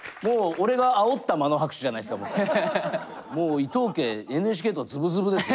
いやもうもう伊藤家ＮＨＫとズブズブですね。